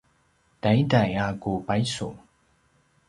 taiday a ku paisu